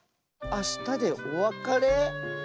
あしたでおわかれ？